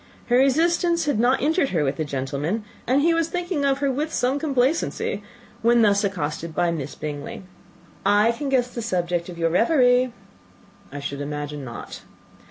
Her resistance had not injured her with the gentleman, and he was thinking of her with some complacency, when thus accosted by Miss Bingley, "I can guess the subject of your reverie." "I should imagine not."